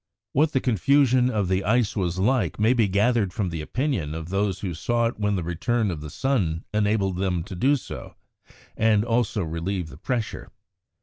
What the confusion of the ice was like may be gathered from the opinion of those who saw it when the return of the sun enabled them to do so, and also relieved the pressure.